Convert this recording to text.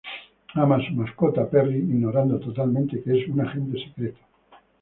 Ama a su mascota Perry, ignorando totalmente que es un agente secreto.